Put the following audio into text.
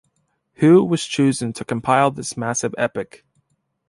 Hu was chosen to compile this massive epic.